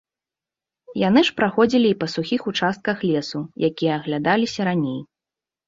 Яны ж праходзілі і па сухіх участках лесу, якія аглядаліся раней.